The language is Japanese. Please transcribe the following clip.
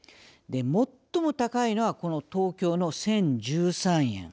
最も高いのは東京の１０１３円。